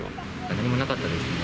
何もなかったですね。